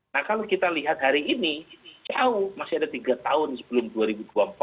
nah kalau kita lihat hari ini jauh masih ada tiga tahun sebelum dua ribu dua puluh empat